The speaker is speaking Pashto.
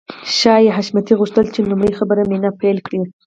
ښايي حشمتي غوښتل چې لومړی خبرې مينه پيل کړي.